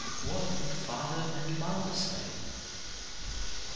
WHAT WOULD FATHER AND MOTHER SAY?